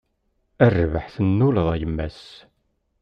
A rrbeḥ tennuleḍ a yemma-s.